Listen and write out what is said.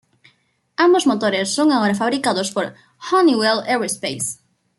Ambos motores son ahora fabricados por Honeywell Aerospace.